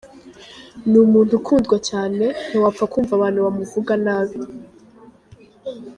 Ni umuntu ukundwa cyane, ntiwapfa kumva abantu bamuvuga nabi.